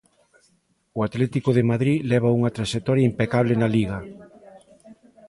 O Atlético de Madrid leva unha traxectoria impecable na Liga.